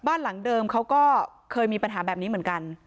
บ้านหลังเดิมเขาก็เคยมีปัญหาแบบนี้เหมือนกัน